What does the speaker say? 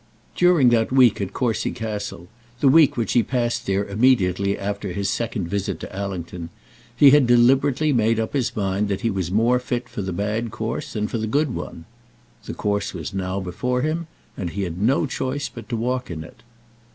During that week at Courcy Castle, the week which he passed there immediately after his second visit to Allington, he had deliberately made up his mind that he was more fit for the bad course than for the good one. The course was now before him, and he had no choice but to walk in it.